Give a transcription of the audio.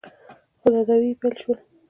خو تداوې يې پیل شول.